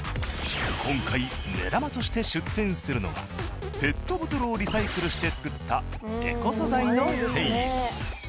今回目玉として出展するのがペットボトルをリサイクルして作ったエコ素材の繊維。